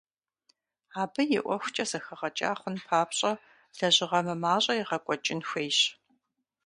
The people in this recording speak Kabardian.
Абы и ӏуэхукӏэ зэхэгъэкӏа хъун папщӏэ лэжьыгъэ мымащӏэ егъэкӏуэкӏын хуейщ.